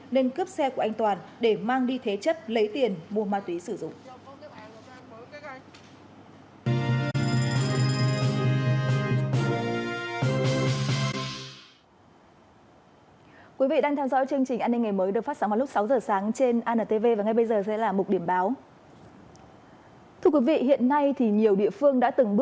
nên cướp xe của anh toàn để mang đi thế chất lấy tiền mua ma túy sử dụng